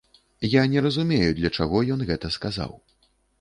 Я не разумею для чаго ён гэта сказаў.